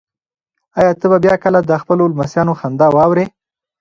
ایا ته به بیا کله د خپلو لمسیانو خندا واورې؟